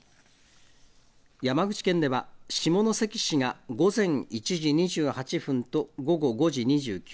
山口県では、下関市が午前１時２８分と午後５時２９分。